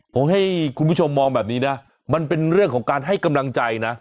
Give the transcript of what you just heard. ผมให้คุณผู้ชมมองแบบนี้นะมันเป็นเรื่องของการให้กำลังใจนะ